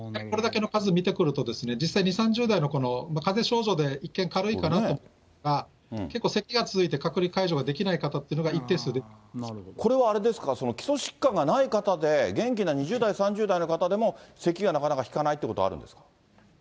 これだけの数をみてくると、実際２、３０代のこのかぜ症状で一見、軽いかなという方とか、結構せきが続いて隔離解除ができない方っていうのは一定数でいまこれはあれですか、基礎疾患がない方で元気な２０代、３０代の方でもせきがなかなか引かないってことがあるんですか？